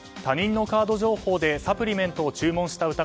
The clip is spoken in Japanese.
他人のカード情報でサプリメントを注文した